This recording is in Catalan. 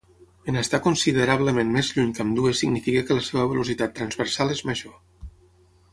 En estar considerablement més lluny que ambdues significa que la seva velocitat transversal és major.